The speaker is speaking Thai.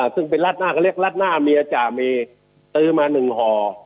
ซึ่งเป็นราดหน้าเค้าเรียกราดหน้าเมียจ่ามีซื้อมาหนึ่งห่อ